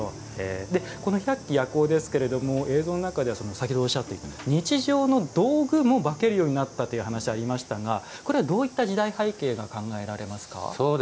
百鬼夜行ですけど映像の中では先ほどおっしゃった日常の道具も化けるようになったという話がありましたがこれはどういった時代背景が考えられますか？